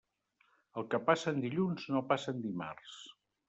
El que passa en dilluns no passa en dimarts.